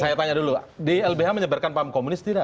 saya tanya dulu di lbh menyebarkan paham komunis tidak